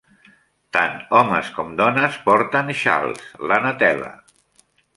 Tant homes com dones porten xals, la "netela".